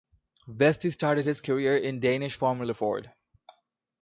Vesti started his career in Danish Formula Ford.